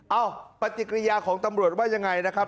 ปฏิกิริยาของตำรวจว่ายังไงนะครับ